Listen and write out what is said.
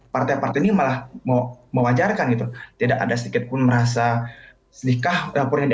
partai partai ini malah mewajarkan gitu tidak ada sedikit pun merasa sedihkah laporan yang di